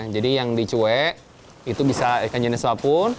jadi yang dicuek itu bisa ikan jenis apun